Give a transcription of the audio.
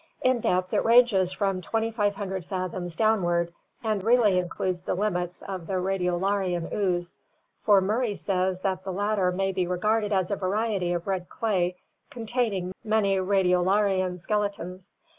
In depth it ranges from 2500 fathoms downward and really includes the limits of the Radiolarian ooze, for Murray says that the latter may be regarded as a variety of red clay containing many radiolarian skeletons.